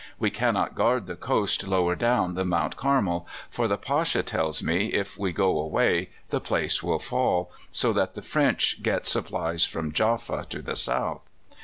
We cannot guard the coast lower down than Mount Carmel, for the Pasha tells me, if we go away, the place will fall, so that the French get supplies from Jaffa to the south.